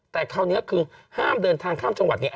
แต่คราวนี้คือห้ามเดินทางข้ามจังหวัดเนี่ย